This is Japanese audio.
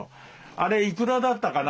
あれいくらだったかな？